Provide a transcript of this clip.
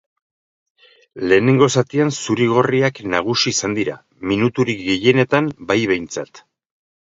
Lehenengo zatian zuri-gorriak nagusi izan dira, minuturik gehienetan bai behintzat.